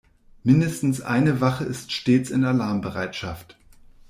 Mindestens eine Wache ist stets in Alarmbereitschaft.